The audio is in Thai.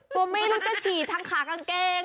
ผมไม่รู้จะฉี่ทางขากางเกง